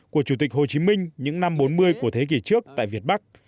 của chủ tịch hồ chí minh những năm bốn mươi của thế kỷ trước tại việt bắc